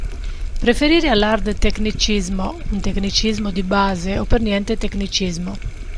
Preferire all'hard tecnicismo un tecnicismo di base o per niente tecnicismo.